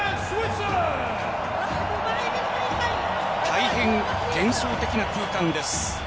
大変、幻想的な空間です。